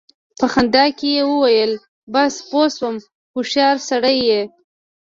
په خندا کې يې وويل: بس! پوه شوم، هوښيار سړی يې!